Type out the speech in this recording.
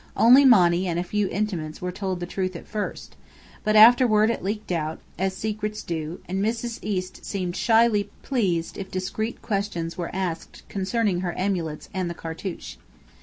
Only Monny and a few intimates were told the truth at first; but afterward it leaked out, as secrets do; and Mrs. East seemed shyly pleased if discreet questions were asked concerning her amulets and the cartouche.